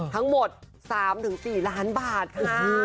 ทั้งหมด๓๔ล้านบาทค่ะ